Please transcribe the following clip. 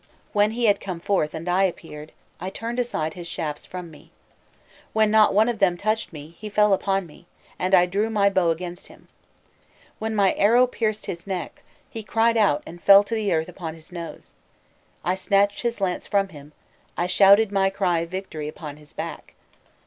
When he had come forth and I appeared, I turned aside his shafts from me. When not one of them touched me, he fell upon me, and then I drew my bow against him. When my arrow pierced his neck, he cried out and fell to the earth upon his nose; I snatched his lance from him, I shouted my cry of victory upon his back.